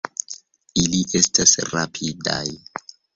Ili estas rapidaj.